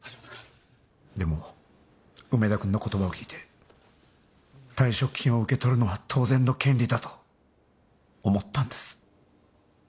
でも梅田くんの言葉を聞いて退職金を受け取るのは当然の権利だと思ったんです。